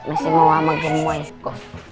masih mau lama gembohnya